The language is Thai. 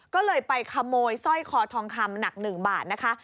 ก็เลยไปขโมยสร้อยคอทองคำหนัก๑บาทนะคะ